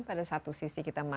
pada satu sisi kita